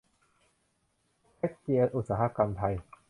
แจ๊กเจียอุตสาหกรรม ไทย